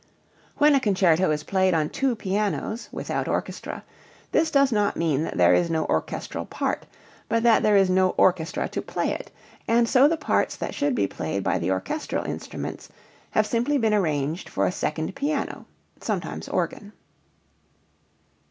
When a concerto is played on two pianos (without orchestra), this does not mean that there is no orchestral part, but that there is no orchestra to play it, and so the parts that should be played by the orchestral instruments have simply been arranged for a second piano (sometimes organ).